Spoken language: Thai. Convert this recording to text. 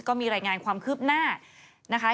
ก็มีรายงานความคืบหน้านะคะ